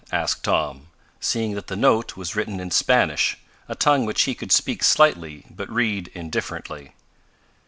asked Tom, seeing that the note was written in Spanish, a tongue which he could speak slightly but read indifferently.